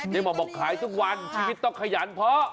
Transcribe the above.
หมอบอกขายทุกวันชีวิตต้องขยันเพราะ